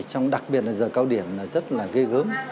trong đặc biệt là giờ cao điểm là rất là ghê gớm